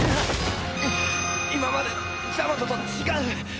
今までのジャマトと違う！